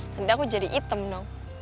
nanti aku jadi hitam dong